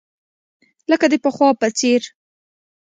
لکه د پخوا په څېر.